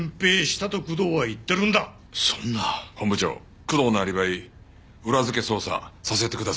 本部長工藤のアリバイ裏付け捜査させてください。